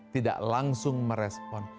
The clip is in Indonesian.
tidak langsung merespon